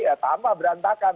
ya tamah berantakan